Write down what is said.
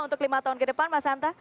untuk lima tahun ke depan pak santa